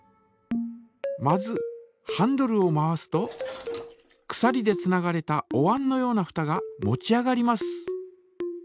まずハンドルを回すとくさりでつながれたおわんのようなふたが持ち上がります。